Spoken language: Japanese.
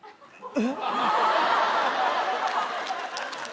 えっ？